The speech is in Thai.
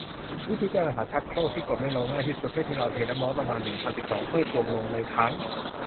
วิธีแก้ปัญหาชักโครกกดไม่ลงที่ง่ายที่สุด ให้เราเทน้ำร้อนประมาณ หนึ่งพันสิบสอง ถ้วยตวง ลงในถัง